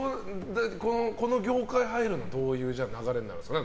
この業界入るのはどういう流れになるんですか？